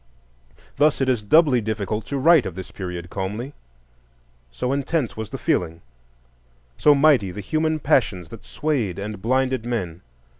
Thus it is doubly difficult to write of this period calmly, so intense was the feeling, so mighty the human passions that swayed and blinded men.